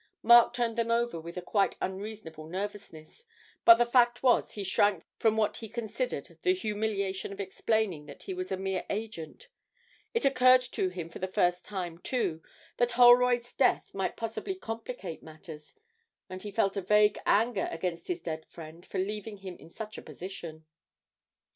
Mark turned them over with a quite unreasonable nervousness, but the fact was he shrank from what he considered the humiliation of explaining that he was a mere agent; it occurred to him for the first time, too, that Holroyd's death might possibly complicate matters, and he felt a vague anger against his dead friend for leaving him in such a position.